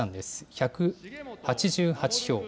１８８票。